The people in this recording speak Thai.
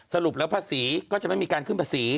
สรุปแล้วภาษีก็จะไม่มีการขึ้นภาษี